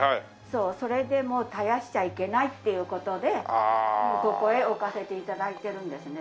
それでもう絶やしちゃいけないっていう事でここへ置かせて頂いてるんですね。